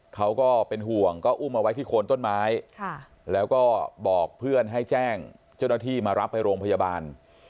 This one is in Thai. เขาก็เป็นห่วงก็อุ้มเอาไว้ที่โคนต้นไม้แล้วก็บอกเพื่อนให้แจ้งเจ้าหน้าที่มารับไปโรงพยาบาล